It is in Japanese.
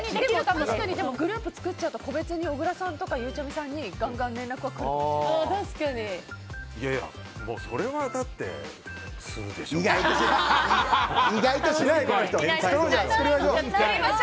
確かにグループ作っちゃうと個別に小倉さんとかゆうちゃみさんにそれは、だってするでしょ。